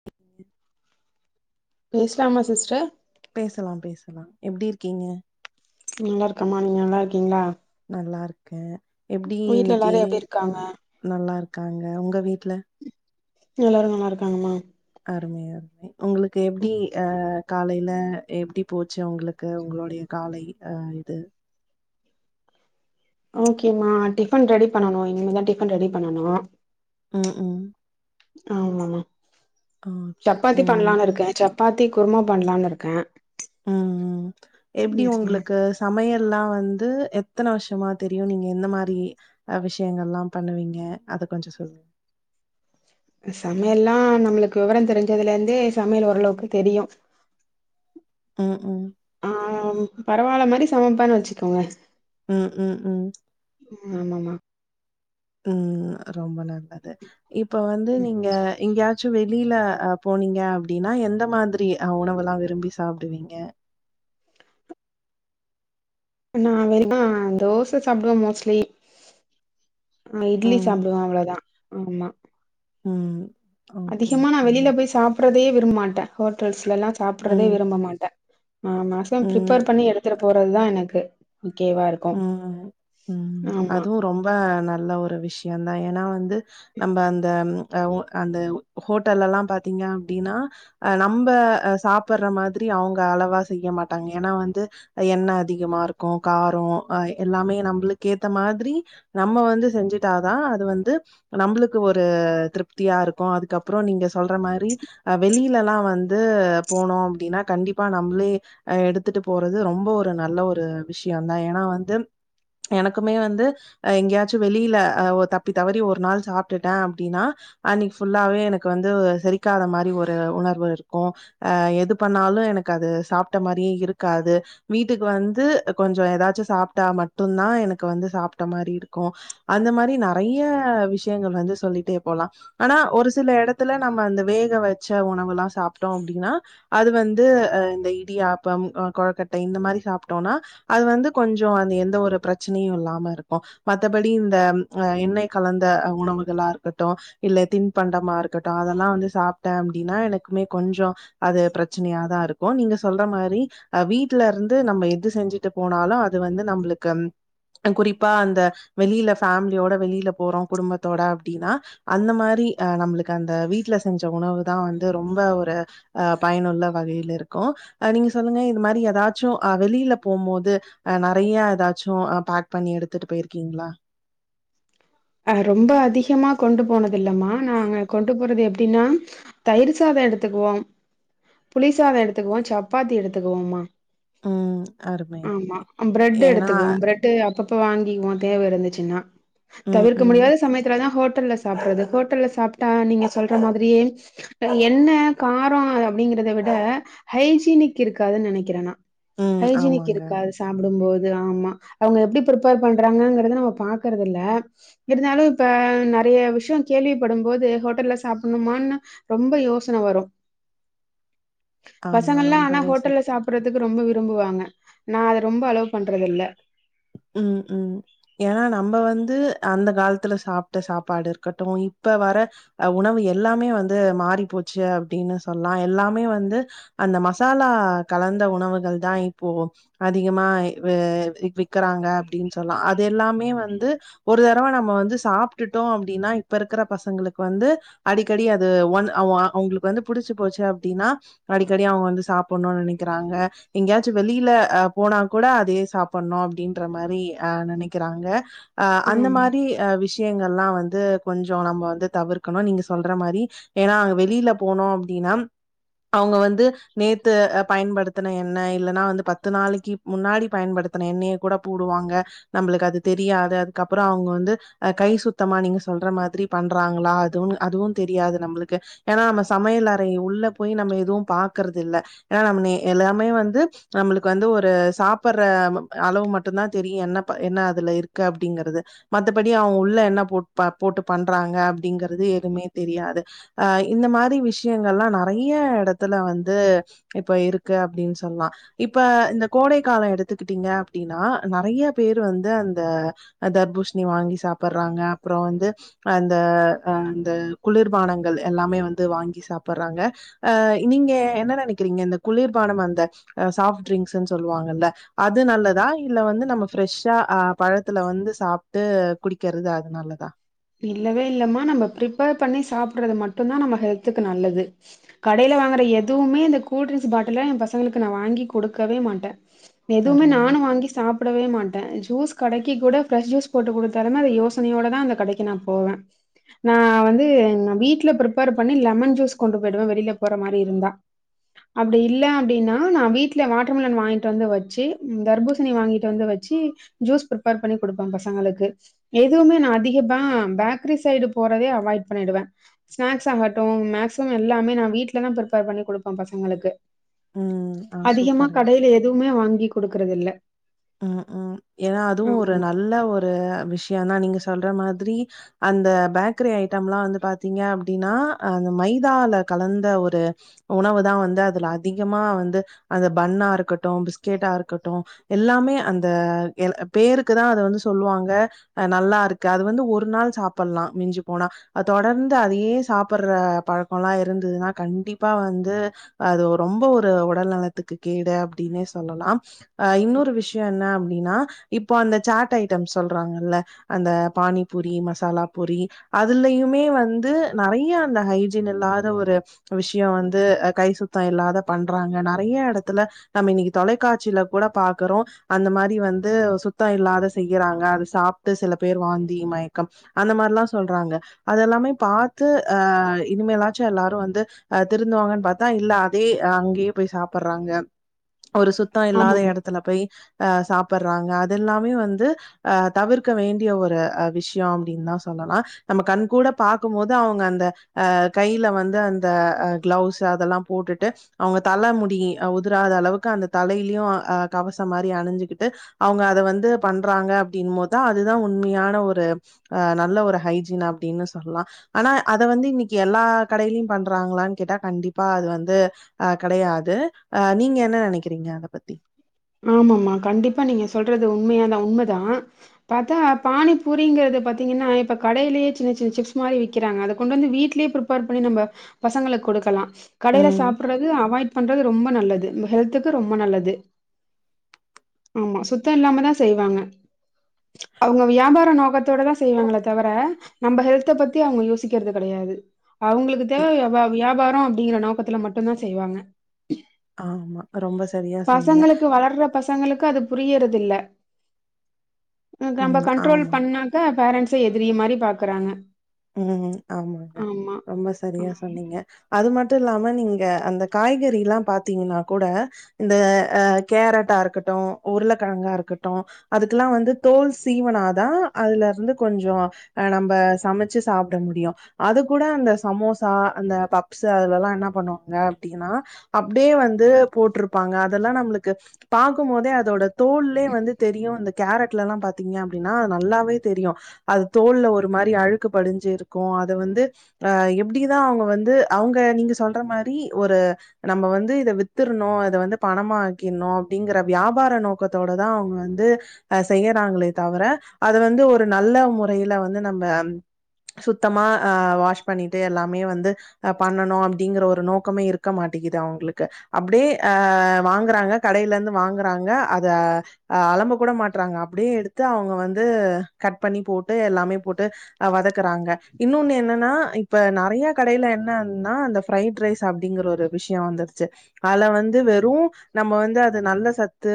[inaudible] பேசலாமா சிஸ்டர் பேசலா பேசலா எப்டி இருக்கீங்க நல்லா இருக்கேமா நீங்க நல்லா இருக்கீங்களா நல்லாருக்கே எப்பிடி வீட்ல இன்னைக்கு எல்லாரும் எப்டி இருக்காங்க நல்லாருக்காங்க உங்க வீட்ல எல்லாரு நல்லாருக்காங்கம்மா அருமை அருமை உங்களுக்கு எப்டி அ காலைல எப்டி போச்சு உங்குளுக்கு உங்களுடைய காலை ஆ இது ஓகேம்மா டிஃபன் ரெடி பண்ணனு இனிமேதா டிஃபன் ரெடி பண்ணனு ம் ம் ஆமமா ஓகே சப்பாத்தி ம் பண்லான் இருக்கே சப் பாத்தி குருமா பண்ணலானு இருக்க ம் ம் எப்டி உங்களுக்கு சமையல்லா வந்து எத்தன வருஷமா தெரியு நீங்க எந்த மாரி அ விஷயங்கள்லா பண்ணுவீங்க அத கொஞ்சொ சொல் சமையல்லா நம்மளுக்கு வெவரந் தெரிஞ்சதுல இருந்தே சமையல் ஓரளவுக்கு தெரியு ம் ம் ஆம் பரவால்ல மாரி சமப்பன் வச்சுக்கோங்க ம் ம் ம் ம் ஆமமா ம் ரொம்ப நல்லது இப்ப வந்து நீங்க எங்கயா ச்சு வெளில அ போனீங்க அப்டின்னா எந்த மாதிரி அ உணவுல்லா விரும்பி சாப்புடுவீங்க நா வெளியெனா தோச சாப்டுவே மோஸ்ட்லி இட்லி ம். சாப்டுவே அவ்ளோதா ஆமா ம் ஓகே, அதிகமா நா ஓகேங்க. வெளில போய் சாப்புறதே விரும்பமாட்டே ஹோட்டல்ஸ்லல்லா சாப்புறதே ம். விரும்ப மாட்ட ஆ மேக்சிமம் ம். பிரிஃப்பேர் பண்ணி எடுத்துட்டு போறதுதா எனக்கு ஓகேவா இருக் ம் ம் அதுவு ரொம்ப நல்ல ஒரு விஷயந்தா ஏனா வந்து நம்ப அந்த ம் அ ஒ அந்த ஹோட்டல்லல்லா பாத்தீங்க அப்டின்னா அ நம்ப அ சாப்புற மாதிரி அவங்க அளவா செய்ய மாட்டாங்க ஏனா வந்து எண்ணெ அதிகமா இருக்கு கா ரோ அ எல்லாமே நம்பளுக்கு ஏத்த மாதிரி நம்ம வந்து செஞ்சுட்டாதா அது வந்து நம்புளுக்கு ஒரு திருப்தியா இருக்கு அதுக்கப்றோ நீங்க சொல்ற மாரி அ வெளிலெல்லா வந்து போனோ அப்டின்னா கண்டிப்பா நம்ளே அ எடுத்துட்டு போறது ரொம்ப ஒரு நல்ல ஒரு விஷயந்தா ஏனா வந்து எனக்குமே வந்து அ எங்கயாச்சு வெளில அ ஒ தப்பி தவறி ஒரு நாள் சாப்ட்டுட்டே அப்டின்னா அன்னைக்கு ஃபுல்லாவே எனக்கு வந்து செரிக்காத மாரி ஒரு உணர்வு இருக்கு அ எது பண்ணாலு எனக்கு அது சாப்ட்ட மாரியே இருக்காது வீட்டுக்கு வந்து கொஞ்சோ எதாச்சு சாப்ட்டா மட்டுந்தா எனக்கு வந்து சாப்ட்ட மாரி இருக்கு அந்த மாரி நெறைய விஷயங்கள் வந்து சொல்லிட்டே போலா ஆனா ஒரு சில எடத்துல நம்ம அந்த வேக வச்ச உணவுல்லா சாப்ட்டோ அப்டின்னா அது வந்து அ இந்த இடியாப்பம் அ கொழுக்கட்ட இந்த மாரி சாப்ட்டோனா அது வந்து கொஞ்சோ அந்த எந்த ஒரு பிரச்சனையு இல்லாம இருக்கு மத்தபடி இந்த அ எண்ணெய் கலந்த உணவுகளா இருக்கட்டு இல்ல தின்பண்டமா இருக்கட்டு அதெல்லா வந்து சாப்ட்டே அப்டின்னா எனக்குமே கொஞ்சோ அது பிரச்சனையாதா இருக்கு நீங்க சொல்ற மாரி அ வீட்ல இருந்து நம்ம எது செஞ்சு ட்டு போனாலு அது வந்து நம்ளுக்கு அ குறிப்பா அந்த வெளில ஃபேமிலியோட வெளில போறோ குடும்பத்தோட அப்டின்னா அந்த மாரி அ நம்மளுக்கு அந்த வீட்ல செஞ்ச உணவு தா வந்து ரொம்ப ஒரு அ பயனுள்ள வகையில இருக்கு அ நீங்க சொல்லுங்க இது மாரி ஏதாச்சு வெளீல போம்போது அ நறைய எதாச்சு பேக் பண்ணி எடுத்துட்டு போயிருக்கீங்களா அ ரொம்ப அதிகமா கொண்டு போனது இல்லம்மா நாங்க கொண்டு போறது எப்படின்னா தயிர் சாதோ எடுத்துக்குவோ புளி சாதோ எடுத்துக்குவோ சப்பாத்தி எடுத்துக்குவோ மா ம் அருமை ஆமா அருமை பிரெட் ஏன்னா எடுத்துக்குவோ பிரெட் ட்டு அப்பப்ப வாங்கிக்குவோ தேவ இருந்துச்சுன்னா ம் தவிர்க்க ம் முடியாத சமயத்துலதா ஹோட்டல்ல சாப்படுறது ஹோட்டல்ல சாப்பிட்டா நீங்க சொல்ற மாதிரியே அ என்ன காரோ அப்படிங்கறத விட ஹைஜீனிக் இருக்காதுன்னு நெனைக்கிற நா ம் ஹைஜீனிக் ஆமாங்க. இருக்காது சாப்புடும்போது ஆமா அவங்க எப்படி பிரிப்பர் பண்றாங்கங்கறத நம்ம பாக்கறதுல்ல இருந்தாலு இப்ப நறைய விஷயோ கேள்விப்படும்போது ஹோட்டல்ல சாப்புன்னுமான்னு ரொம்ப யோசன வரு ஆமா பசங்கல்லா அனா ரொம்பவே ஹோட்டல்ல சாப் சரி பறதுக்கு ரொம்ப விரும்புவாங்க நா அத ரொம்ப அலோ பண்றதுல்ல ம் ம் ஏன்னா நம்ம வந்து அந்த காலத்துல சாப்ட்ட சாப்பாடு இருக்கட்டு இப்ப வர அ உணவு எல்லாமே வந்து மாறி போச்சு அப்டின்னு சொல்லா எல்லாமே வந்து அந்த மசாலா கலந்த உணவுகள் தா இப்போ அதிகமா வே விக் கராங்க அப்டின்னு சொல்லா அது எல்லாமே வந்து ஒரு தரவ நம்ம வந்து சாப்டுட்டோ அப்டின்னா இப்ப இருக்கற பசங்களுக்கு வந்து அடிக்கடி அது ஒன் அ வோ அவுங்களுக்கு வந்து புடிச்சு போச்சு அப்டின்னா அடிக்கடி அவங்க வந்து சாப்புன்னுன் நினைக்கறாங்க எங்கயாச்சு வெளீல அ போனா கூட அதே சாப்பன்னு அப்படின்ற மாரி அ நெனைக்கறாங்க அ அந்த ஆமா மாரி அ விஷயங்கள்லா வந்து கொஞ்சோ நம்ம வந்து தவிர்க்கணு நீங்கள் சொல்ற மாரி ஏன்னா அங்க வெளில போனோ அப்டின்னா அவுங்க வந்து நேத்து பயன்படுத்துன எண்ண இல்லன்னா வந்து பத்து நாளைக்கி முன்னாடி பயன்படுத்துன எண்ணெய்ய கூட போடுவாங்க நம்பளுக்கு அது தெரியாத அதுக்கப்பறோ அவங்க வந்து அ கை சுத்தமா நீங்க சொல்ற மாதிரி பண்றாங்களா அதுவு அதுவு தெரியாது நம்பளுக்கு ஏன்னா நம்ம சமையல் அறை உள்ள போய் நம்ம எதுவு பாக்கறது இல்ல ஏன்னா நம்ம நே எல்லாமே வந்து நம்பளுக்கு வந்து ஒரு சாப்பற அளவு மட்டு தா தெரியு என்ன ப என்ன அதுல இருக்கு அப்படிங்கறது மத்தபடி அவங்க உள்ள என்ன போ ப போட்டு பண்றாங்க அப்படிங்கறது எதுவுமே தெரியாது அ இந்த மாரி விஷயங்கள்லா நறைய எடத்துல வந்து இப்ப இருக்கு அப்டின் சொல்லா இப்ப இந்த கோடை காலோ எடுத்துக்கிட்டீங்க அப்டின்னா நறையா பேரு வந்து அந்த தர்பூசணி வாங்கி சாப்பற்றாங்க அப்பறோ வந்து அந்த அ அந்த குளிர்பானங்கள் எல்லாமே வந்து வாங்கி சாப்பற்றாங்க ஆ நீங்க என்ன நெனைக்கறீங்க இந்த குளிர்பானம் அந்த சாஃப்ட் ட்ரிங்க்ஸ்ன்னு சொல்லுவாங்கல்ல அது நல்ல தா இல்ல வந்து நம்ம ஃப்ரெஷ்ஷா அ பழத்துல வந்து சாப்ட்டு குடிக்கிறது அதுனாலதா இப்ப இல்லவே இல்லமா நம்ம பிரிப்பேர் பண்ணி சாப்படுறது மட்டு தா நம்ம ஹெல்த்துக்கு நல்லது கடைல வாங்குற எதுவுமே இந்த கூல்ட்ரிங்க்ஸ் பாட்டில எ பசங்களுக்கு நா வாங்கி குடுக்கவே மாட்ட எதுமே அருமை, நானு அருமை. வாங்கி சாப் டவே மாட்டே ஜூஸ் கடைக்கு கூட ஃப்ரெஷ் ஜூஸ் போட்டு குடுத்தாலுமே அத யோசனையோடதா அந்த கடக் கு நா போவே நா வந்து நா வீட்ல பிரிப்பேர் பண்ணி லெமன் ஜூஸ் கொண்டு போயிடுவே வெளில போற மாரி இருந்தா அப்டி இல்ல அப்டின்னா நா வீட்ல வாட்ரு மிலன் வாங்கிட்டு வந்து வச்சு தர்பூசணி வாங்கிட் டு வந்து வச்சு ஜூஸ் பிரிப்பேர் பண்ணி குடுப்பே பசங்களுக்கு எதுமே நா அதிக தா பேக்கரி சைடு போறதே அவாய்ட் பண்ணிடுவே ஸ்நாக்ஸ் ஆகட்டு மேக்சிமம் எல்லாமே நா வீட்டலதா பிரிப்பேர் பண்ணி குடுப்பே பசங்களுக்கு ம். ஆ அதிகமா சூப்பருங்க. கடைல எதுமே வாங்கி குடுக்கறது இல்ல ம் ம் ஏன்னா அதுவு ஒரு நல்ல ஒரு விஷயதா நீங்க சொல்ற மாதிரி அந்த பேக்கரி ஐட்டம்ல்லா வந்து பாத்தீங்க அப்டின்னா அந்த மைதால கலந்த ஒரு உணவு தான் வந்து அதுல அதிகமா வந்து அது பன்னா இருக்கட்டு பிஸ்கெட்டா இருக்கட்டு எல்லாமே அந்த பேருக்குதா அத வந்து சொல்லுவாங்க அ நல்லா இருக்கு அது வந்து ஒரு நாள் சாப்பட்லா மிஞ்சி போனா தொடர்ந்து அதையே சாப்புட்ற பழக்கல்லா இருந்துதுன்னா கண்டிப்பா வந்து அது ரொம்ப ஒரு உடல் நலத்துக்கு கேடு அப்டின்னே சொல்லலாம் அ னொரு விஷய என்ன அப்டின்னா இப்ப அந்த சாட் ஐட்டம் சொல்றாங்கல்ல அந்த பானிபூரி மசாலா பூரி அதுலயுமே வந்து நெறையா அந்த ஹைஜீன் இல்லாத ஒரு விஷய வந்து கை சுத்த இல்லாத பண்றாங்க நெறைய எடத்துல நம்ம இன்னைக்கு தொலைக்காட்சில கூட பாக்குறோ அந்த மாரி வந்து சுத்த இல்லாத செய்யறாங்க அத சாப்ட்டு சில பேர் வாந்தி மயக்கம் அந்த மாரில்லா சொல்றாங்க அத எல்லாமே பாத்து அ இனிமேலாச்சு எல்லாரு வந்து அ திருந்துவாங்கன்னு பாத்தா இல்ல அதே அங்கேயே போய் சாப்டுறாங்க ஒரு சு சுத்த இல்லாத ஆமாமா. எடத்துல போய் அ சாப்புட்றாங்க அது எல்லாமே வந்து அ தவிர்க்க வேண்டிய ஒரு அ விஷய அப்டின்தா சொல்லலா நம்ம கண் கூட பாக்கும் போது அவங்க அந்த அ கைல வந்து அந்த அ க்ளெஸ் அதெல்லா போட்டுட்டு அவங்க தலை முடி உதிராத அளவுக்கு அந்த தலையிலயு அ கவச மாரி அணிஞ்சுக்கிட்டு அவங்க அத வந்து பண்றாங்க அப்டின்னும் போதுதா அதுதா உண்மையான ஒரு அ நல்ல ஒரு ஹைஜீன் அப்டின்னு சொல்லா ஆனா அத வந்து இன்னைக்கு எல்லா கடைலயும் பண்றாங்களான்னு கேட்டா கண்டிப்பா அது வந்து அ கெடையாது அ நீங்க என்ன நெனைக்கிறீங்க அத பத்தி ஆமாமா கண்டிப்பா நீங்க சொல்றது உண்மையாதா உண்மைதா பாத்தா பானி பூரிங்கிறது பாத்தீங்கன்னா இப்ப கடையிலயே சின்ன சின்ன சிப்ஸ் மாரி விக்குறாங்க அத கொண்டு வந்து வீட்லயே ப்ரிப் பேர் பண்ணி நம்ம பசங்களுக்கு கொடுக்கலா கடைல ம் சாப்பிட்றது அவாய்ட் பண்றது ரொம்ப நல்லது நம்ம ஹெல்த்துக்கு ரொம்ப நல்லது ஆமா சுத்த இல்லாமதா செய்வாங்க அவங்க வியாபார நோக்கத்தோடதா செய்வாங்கள தவிர நம்ம ஹெல்த்த பத் தி அவங்க யோசிக்கிறது கெடையாது அவுங்களுக்கு தேவை ம் வியா வியாபார அப்டிங்கிற நோக்கத்துல மட் டும்தா செய்வாங்க ஆமா ரொம்ப சரியா சொன்னீங்க பசங்களுக்கு வளர்ற பசங்களுக்கு அது புரியறத இல்ல நம்ம ம் கண்ட்ரோல் ஆமா பண்ணா க்க பேரன்ட்ஸ எதிரிய மாரி பாக்குறாங்க ம் ஆமாங்க ஆமா. ரொம்ப சரியா ம். சொன்னீங்க அது மட்டு இல்லாம நீங்க அந்த காய்கறில்லா பாத்தீங்னா கூட இந்த அ கேரட்டா இருக்கட்டும் உருளக்கெழங்கா இருக்கட்டும் அதுக்கெல்லாம் வந்து தோல் சீவுனாதான் அதுல இருந்து கொஞ்சம் அ நம்ம சமை ச்சு சாப்ட முடியும் அது கூட அந்த சமோசா அந்த பப்ஸ் அதுலல்லாம் என்ன பண்ணுவாங்க அப்டின்னா அப்டியே வந்து போட்ருப்பாங்க அதெல்லாம் நம்மளுக்கு பாக்கும் போதே அதோட தோல்லே வந்து தெரியும் இந்த கேரட்லல்லாம் பாத்தீங்க அப்டின்னா அது நல்லாவே தெரியும் அது தோல்ல ஒரு மாரி அழுக்கு படிஞ்சி இருக்கும் அத வந்து அ எப்டிதான் அவுங்க வந்து அவுங்க நீங்க சொல்ற மாரி ஒரு நம்ம வந்து இத வித்துரணும் இத வந்து பணமாக்கிடணும் அப்டிங்கற வியாபார நோக்கத்தோடதான் அவுங்க வந்து அ செய்யறாங்களே தவிர அத வந்து ஒரு நல்ல முறையில வந்து நம்ம சுத்தமா அ வாஷ் பண்ணிட்டு எல்லாமே வந்து பண்ணணும் அப்டிங்கிற ஒரு நோக்கமே இருக்க மாட்டேங்கிது அவுங்களுக்கு அப்டியே அ வாங்குறாங்க கடையில இருந்து வாங்குறாங்க அத அ அலம்ப கூட மாட்டுறாங்க அப்டியே எடுத்து அவுங்க வந்து கட் பண்ணி போட்டு எல்லாமே போட்டு வதக்குறாங்க இன்னொன்னு என்னன்னா இப்ப நிறையா கடையில என்னனா அந்த ஃப்ரைட் ரைஸ் அப்டிங்கிற ஒரு விஷயம் வந்துருச்சு அதுல வந்து வெறும் நம்ம வந்து அது நல்ல சத்து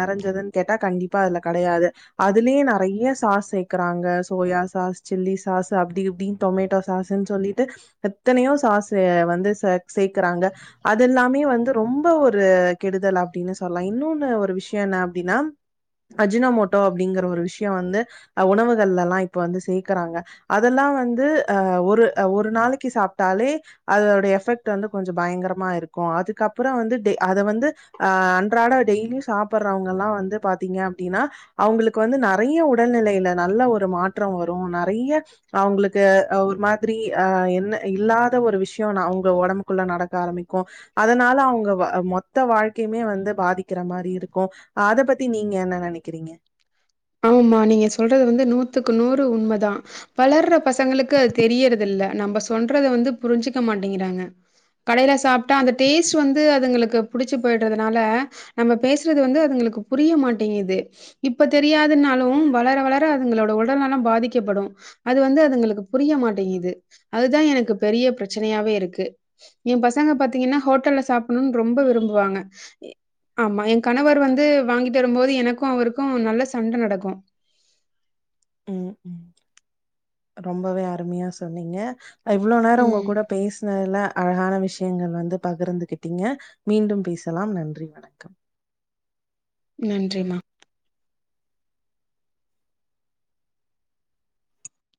நிறைஞ்சதுன் கேட்டா கண்டிப்பா அதுல கிடையாது அதுலயே நிறைய சாஸ் சேக்குறாங்க சோயா சாஸ் சில்லி சாஸ் அப்டி இப்டி டொமேட்டோ சாஸுன்னு சொல்லிட்டு எத்தனையோ சாசு வந்து ச சேக்குறாங்க அதெல்லாமே வந்து ரொம்ப ஒரு கெடுதல் அப்டின்னு சொல்லாம் இன்னொன்னு ஒரு விஷயம் என்ன அப்டின்னா அஜினமோட்டோ அப்டிங்கற ஒரு விஷயம் வந்து உணவுகள்ல எல்லாம் இப்ப வந்து சேக் கிறாங்க அதெல்லாம் வந்து அ ஒரு ஒரு நாளைக்கு சாப்டாலே அதோட எபெக்ட் வந்து கொஞ்சம் பயங்கரமா இருக்கும் அதுக்கப்புறம் வந்து அத வந்து அ அன்றாட டெய்லியும் சாப்டுறவுங்க எல்லாம் வந்து பாத்தீங்க அப்டின்னா அவுங்களுக்கு வந்து நிறைய உடல்நிலையில நல்ல ஒரு மாற்றம் வரும் நெறைய அவுங்களுக்கு ஒரு மாதிரி அ என்ன இல்லாத ஒரு விஷயம் ந அவுங்க உடம்புக்குள்ள நடக்க ஆரம்பிக்கும் அதனால அவுங்க மொத்த வாழ்க்கையுமே வந்து பாதிக்கிற மாரி இருக்கும் அத பத்தி நீங்க என்ன நினைக்கிறீங்க ஆமா நீங்க சொல்றது வந்து நூத்துக்கு நூறு உண்மதான் வளர்ற பசங்களுக்கு அது தெரியறது இல்ல நம்ம சொல்றத வந்து புரிஞ்சிக்க மாட்டேங்கிறாங்க கடையில சாப்ட்டா அந்த டேஸ்ட் வந்து அதுங்களுக்கு புடிச்சு போயிடுறதுனால நம்ம பேசுறது வந்து அதுங்களுக்கு புரிய மாட்டேங்குது இப்ப தெரியாதுனாலும் வளர வளர அதுங்களோட உடல்நலம் பாதிக்கப்படும் அது வந்து அதுங்களுக்கு புரிய மாட்டேங்குது அதுதான் எனக்கு பெரிய பிரச்சனையாவே இருக்கு என் பசங்க பாத்தீங்கன்னா ஹோட்டல்ல சாப்பிடணும்ன்னு ரொம்ப விரும்புவாங்க ஆமா என் கணவர் வந்து வாங்கிட்டு வரும்போது எனக்கும் அவருக்கும் நல்ல சண்ட நடக்கும் ம் ம் ரொம்பவே அருமையா சொன்னீங்க இவ்ளோ நேரம் உங்க ம். கூட பேசுனதுல அழகான விஷயங்கள் வந்து பகிர்ந்துகிட்டிங்க மீண்டும் பேசலாம் நன்றி வணக்கம் நன்றிமா